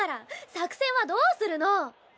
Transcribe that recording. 作戦はどうするの！？